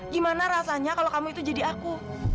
gimana rasanya kalau kamu itu jadi aku